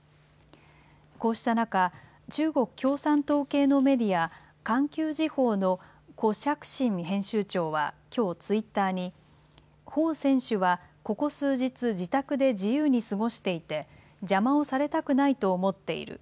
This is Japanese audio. こうした中、中国共産党系のメディア環球時報の胡錫進編集長はきょうツイッターに向選手は、ここ数日、自宅で自由に過ごしていて邪魔をされたくないと思っている。